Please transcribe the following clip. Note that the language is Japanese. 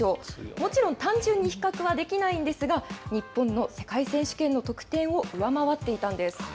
もちろん単純に比較はできないんですが、日本の世界選手権の得点を上回っていたんです。